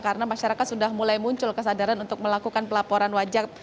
karena masyarakat sudah mulai muncul kesadaran untuk melakukan pelaporan pajak